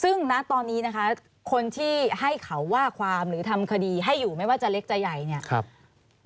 ซึ่งณตอนนี้นะคะคนที่ให้เขาว่าความหรือทำคดีให้อยู่ไม่ว่าจะเล็กจะใหญ่เนี่ย